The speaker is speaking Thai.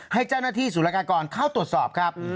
ให้เจ้าหน้าที่สุรกากรเข้าตรวจสอบครับ